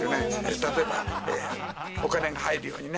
例えば、お金が入るようにね。